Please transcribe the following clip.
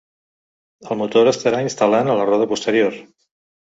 El motor estarà instal·lant a la roda posterior.